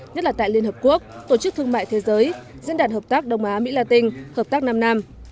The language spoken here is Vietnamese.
nhất là tại liên hợp quốc tổ chức thương mại thế giới diễn đàn hợp tác đông á mỹ la tinh hợp tác nam nam